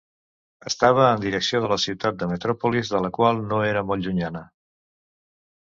Estava en direcció de la ciutat de Metròpolis, de la que no era molt llunyana.